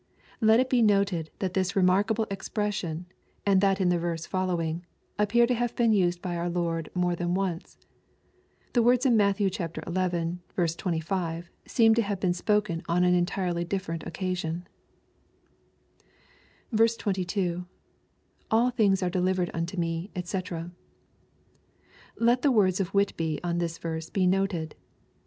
Let it be noted, that this remarkable expression, and that in the verse following, appear to have been used by our Lord more than once. The words in Matt. xi. 25 seem to have been spoken on an entirely difierent occasion. 22. — [AU ihmgs are delivered unto we, <fcc.] Let the words ot Whitby on this verse be noted.